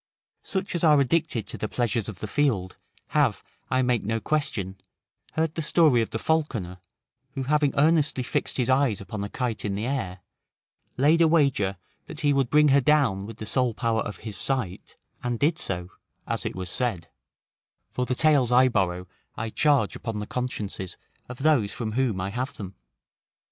Such as are addicted to the pleasures of the field, have, I make no question, heard the story of the falconer, who having earnestly fixed his eyes upon a kite in the air; laid a wager that he would bring her down with the sole power of his sight, and did so, as it was said; for the tales I borrow I charge upon the consciences of those from whom I have them.